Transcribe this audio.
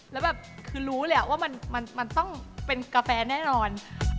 แล้วแบบคือรู้เลยว่ามันต้องเป็นกาแฟแน่นอน